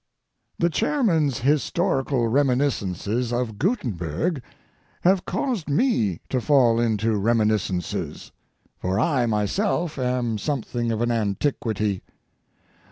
The chairman's historical reminiscences of Gutenberg have caused me to fall into reminiscences, for I myself am something of an antiquity.